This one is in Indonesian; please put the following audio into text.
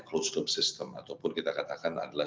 closed top system ataupun kita katakan adalah